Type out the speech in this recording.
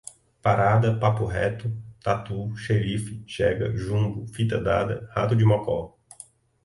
parada, papo reto, tatu, xerife, jega, jumbo, fita dada, rato de mocó